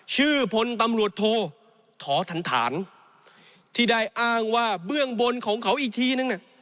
ชื่อพลตำรวจโทรธรรถานที่ได้อ้างว่าเบื้องบนของเขาอีทีนึง